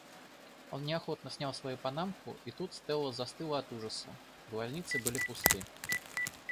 Он неохотно снял свою панамку и тут Стелла застыла от ужаса. Глазницы были пусты.